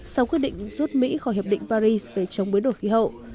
sau quyết định rút mỹ khỏi hiệp định paris về chống biến đổi khí hậu